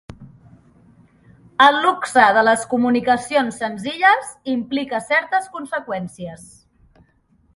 El luxe de les comunicacions senzilles implica certes conseqüències.